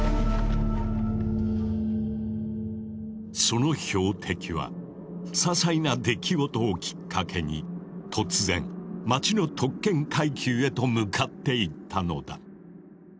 その標的はささいな出来事をきっかけに突然町の特権階級へと向かっていったのだ。